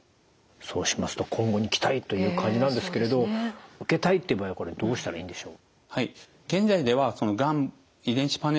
そうしますと今後に期待という感じなんですけれど受けたいっていう場合はこれどうしたらいいんでしょう？